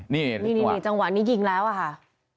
นี่จังหวะนี้ยิงแล้วอะค่ะ